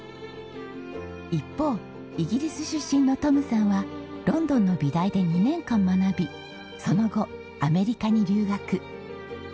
一方イギリス出身のトムさんはロンドンの美大で２年間学びその後アメリカに留学。